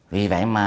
vì vậy mà